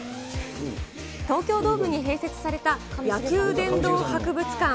東京ドームに併設された、野球殿堂博物館。